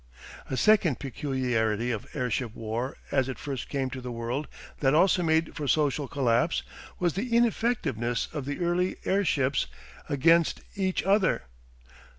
A second peculiarity of airship war as it first came to the world that also made for social collapse, was the ineffectiveness of the early air ships against each other.